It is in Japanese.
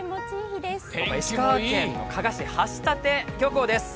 石川県の加賀市、橋立漁港です。